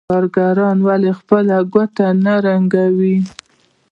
کارګران ولې خپله کوټه نه رنګوي